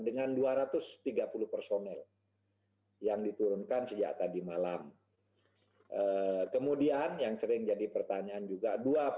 dengan dua ratus tiga puluh personel yang diturunkan sejak tadi malam kemudian yang sering jadi pertanyaan juga